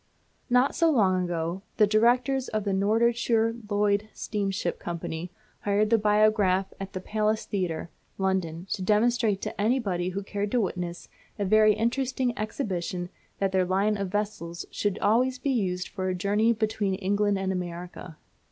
Not so long since, the directors of the Norddeutscher Lloyd Steamship Company hired the biograph at the Palace Theatre, London, to demonstrate to anybody who cared to witness a very interesting exhibition that their line of vessels should always be used for a journey between England and America.